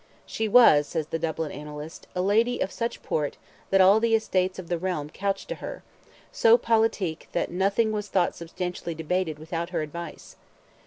"She was," says the Dublin Annalist, "a lady of such port that all the estates of the realm couched to her, so politique that nothing was thought substantially debated without her advice."